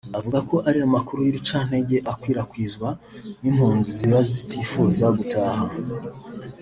avuga ko ari amakuru y’urucantege akwirakwiza n’impunzi ziba zitifuza gutaha